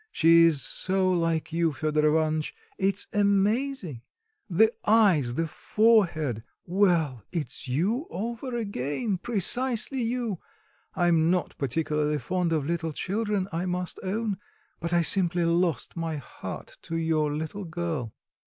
She's so like you, Fedor Ivanitch, it's amazing. The eyes, the forehead well, it's you over again, precisely you. I am not particularly fond of little children, I must own; but I simply lost my heart to your little girl."